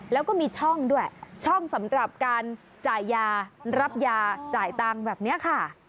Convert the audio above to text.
แล้วก็มีช่องด้วยช่องสำหรับการจ่ายยารับยาจ่ายตังค์แบบนี้ค่ะ